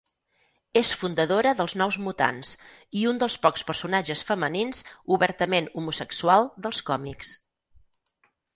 És fundadora dels Nous Mutants, i un dels pocs personatges femenins obertament homosexual dels còmics.